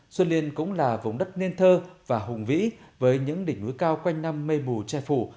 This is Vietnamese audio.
xuân liên cũng là vùng đất nền thơ và hùng vĩ với những đỉnh núi cao quanh năm mây mù che phủ